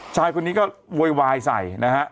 ชายคนนี้ก็โวยวายใส่นะฮะ